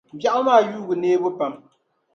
Biɛɣu maa yuugi neebu pam.